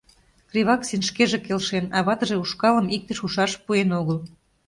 Криваксин шкеже келшен, а ватыже ушкалым иктыш ушаш пуэн огыл.